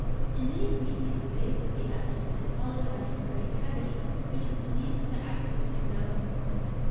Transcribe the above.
In many species, the base of the abdomen is hollowed out into a great cavity which is believed to act as a resounding board.